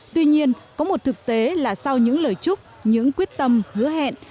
tuy nhiên có một thực tế là sau những lời chúc những quyết tâm hứa hẹn